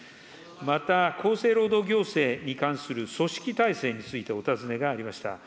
また、厚生労働行政に関する組織体制についてお尋ねがありました。